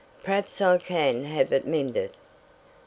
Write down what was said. "Perhaps I can have it mended."